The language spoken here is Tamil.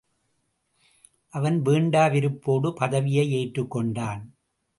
அவன் வேண்டா விருப்போடு பதவியை ஏற்றுக்கொண்டான்.